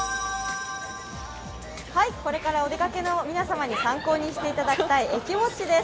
これからお出かけの皆様に参考にしていただきたい駅ウオッチです。